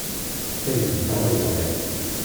D taydit-a ay bɣiɣ.